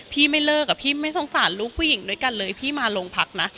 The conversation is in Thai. ไม่เลิกอะพี่ไม่สงสารลูกผู้หญิงด้วยกันเลยพี่มาโรงพักนะ